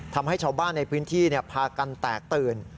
ทำให้ชาวบ้านในพื้นที่พากันแตกตื่น